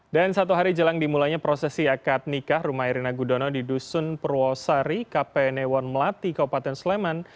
dan satu hari jelang dimulainya prosesi akad nikah rumah erina gudono di dusun purwosari kpne satu melati kabupaten sleman